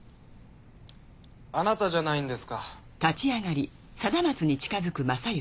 あなたじゃないんですか？